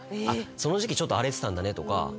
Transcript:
「その時期ちょっと荒れてたんだね」とか。